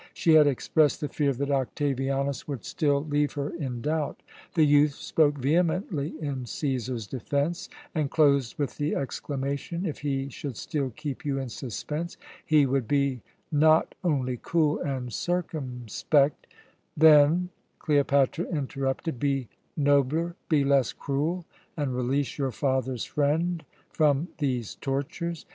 She had expressed the fear that Octavianus would still leave her in doubt. The youth spoke vehemently in Cæsar's defence, and closed with the exclamation, "If he should still keep you in suspense, he would be not only cool and circumspect " "Then," Cleopatra interrupted, "be nobler, be less cruel, and release your father's friend from these tortures.